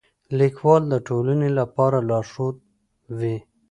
لیکوال د ټولنې لپاره لارښود وي.